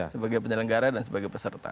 sebagai penyelenggara dan sebagai peserta